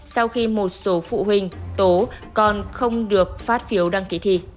sau khi một số phụ huynh tố con không được phát phiếu đăng ký thi